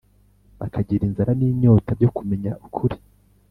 bakagira inzara n’inyota byo kumenya ukuri